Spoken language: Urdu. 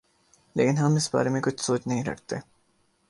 لیکن ہم اس بارے کچھ سوچ نہیں رکھتے۔